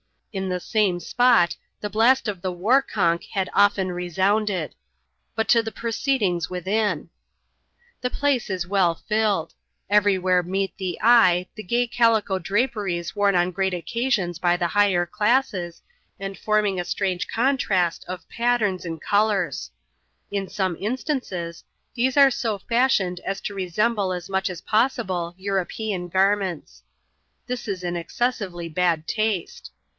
In the same spot, the blast of the war conch had often resounded. But to the proceedings within. The place is well filled. Every where meet the eye the gay calico draperies worn on great occasions by the hi^beic cAs^^jei^^ and forming a strange contrast of pa/t^^erufi «Si<i f!)c^<;yQX!^« Asl 170 ADVENTURES IN THE SOUTH SEAS. [chap. xuv. some instances, these are so fashioned as to resemble as much as possible European garments. This is in excessively bad taste.